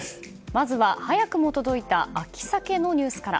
まずは早くも届いた秋サケのニュースから。